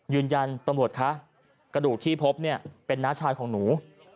ยืนยันตำรวจคะกระดูกที่พบเนี่ยเป็นน้าชายของหนู